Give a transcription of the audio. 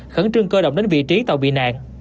khẩn trương cơ động đến vị trí tàu bị nạn